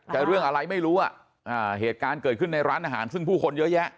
เรื่องอะไรไม่รู้อ่ะอ่าเหตุการณ์เกิดขึ้นในร้านอาหารซึ่งผู้คนเยอะแยะ